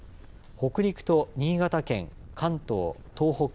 北陸と新潟県関東、東北